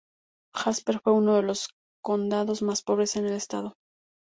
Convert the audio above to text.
Jasper fue uno de los condados más pobres en el estado.